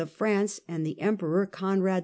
of France and the Emperor Conrad TIT.